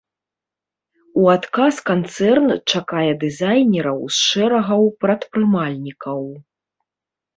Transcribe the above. У адказ канцэрн чакае дызайнераў з шэрагаў прадпрымальнікаў.